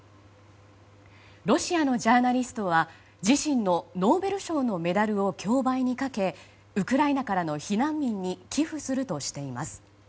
ロシアのジャーナリストは自身のノーベル賞のメダルを競売にかけウクライナからの避難民に寄付するとしています。